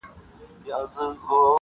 پوليس کور پلټي او سواهد راټولوي ډېر جدي,